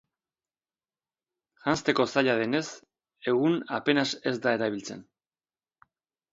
Janzteko zaila denez, egun apenas ez da erabiltzen.